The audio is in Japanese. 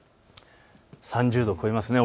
３０度を超えます。